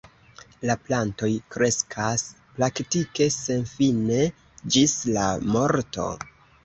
La plantoj kreskas praktike senfine, ĝis la morto.